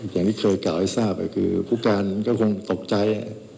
อย่างที่เคยกล่าวให้ทราบก็คือผู้การก็คงตกใจ